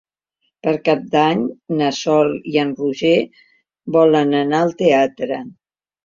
Per Cap d'Any na Sol i en Roger volen anar al teatre.